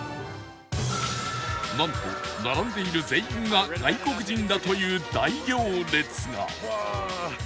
なんと並んでいる全員が外国人だという大行列が